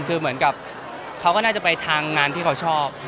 คือเหมือนกับเขาก็น่าจะไปทางงานที่เขาชอบ